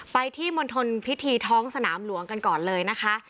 ที่มณฑลพิธีท้องสนามหลวงกันก่อนเลยนะคะ